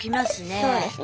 そうですね。